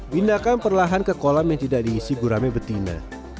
pindahkan perlahan ke kolam yang tidak diisi gurame betina